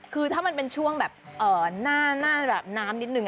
คือถ้ามันเป็นช่วงแบบหน้าแบบน้ำนิดนึง